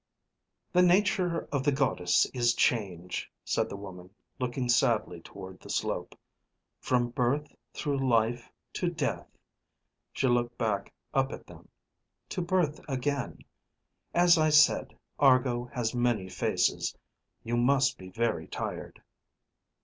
"The nature of the Goddess is change," said the woman, looking sadly toward the slope, "from birth, through life, to death," she looked back up at them, "to birth again. As I said, Argo has many faces. You must be very tired."